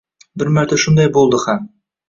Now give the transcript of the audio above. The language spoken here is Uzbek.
Bir marta shunday bo‘ldi ham.